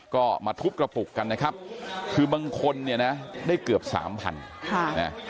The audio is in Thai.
ก็มาทุบกระปุกกันนะครับคือบางคนเนี่ยนะได้เกือบสามพันค่ะนะ